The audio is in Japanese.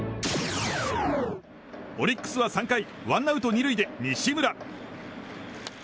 オリックスは３回ワンアウト２塁で西村。